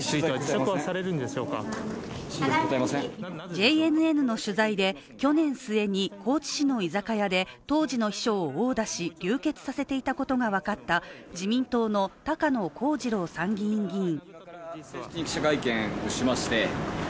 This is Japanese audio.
ＪＮＮの取材で去年末に高知市の居酒屋で当時の秘書を殴打し、流血させていたことが分かった自民党の高野光二郎参議院議員。